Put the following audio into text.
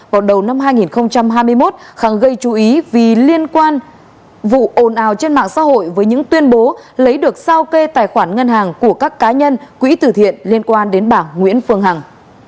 vào đầu năm hai nghìn hai mươi một khang gây chú ý vì liên quan vụ ồn ào trên mạng xã hội với những tuyên bố lấy được sao kê tài khoản ngân hàng của các cá nhân quỹ tử thiện liên quan đến bà nguyễn phương hằng